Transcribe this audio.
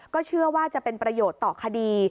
เชื่อว่าจะเป็นประโยชน์ต่อคดี